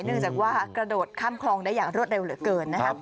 เนื่องจากว่ากระโดดข้ามคลองได้อย่างรวดเร็วเหลือเกินนะครับ